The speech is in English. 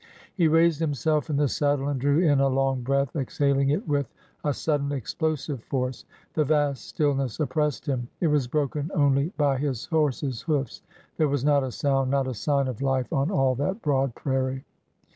He raised himself in the saddle and drew in a long breath, exhaling it with a sudden, explosive force. The vast stillness oppressed him. It was broken only by his 332 ORDER NO. 11 horse's hoofs. There was not a sound, not a sign of life on all that broad prairie.